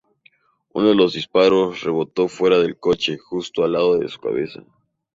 Uno de los disparos rebotó fuera del coche, justo al lado de su cabeza.